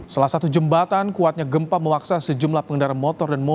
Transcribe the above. salah satu jembatan kuatnya gempa memaksa sejumlah pengendara motor dan mobil